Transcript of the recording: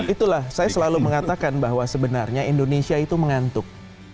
itulah saya selalu mengatakan bahwa sebenarnya indonesia itu mengantuk